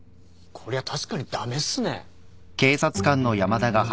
こりゃ確かに駄目っすね。